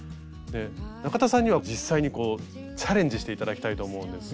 中田さんには実際にチャレンジして頂きたいと思うんですが。